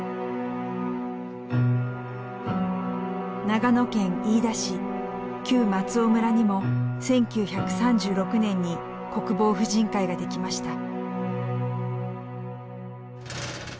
長野県飯田市旧松尾村にも１９３６年に国防婦人会が出来ました。